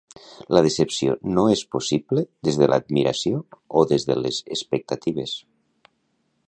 La decepció no és possible des de l'admiració o des de les expectatives.